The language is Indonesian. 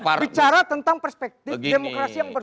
bicara tentang perspektif demokrasi yang bertumbuh berkembang